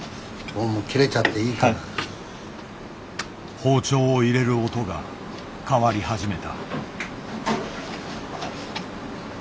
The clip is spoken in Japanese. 包丁を入れる音が変わり始めた。